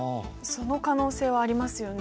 その可能性はありますよね。